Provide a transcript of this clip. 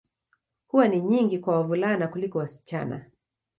Huwa ni nyingi kwa wavulana kuliko wasichana.